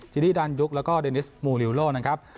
ทีนี้ดานยุคแล้วก็เดนิสมูลิวโลนะครับ